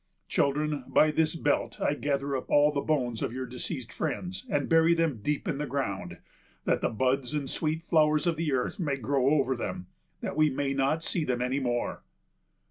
"Children, by this belt I gather up all the bones of your deceased friends, and bury them deep in the ground, that the buds and sweet flowers of the earth may grow over them, that we may not see them any more.